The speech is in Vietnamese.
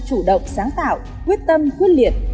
chủ động sáng tạo quyết tâm quyết liệt